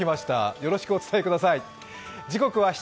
よろしくお伝えください。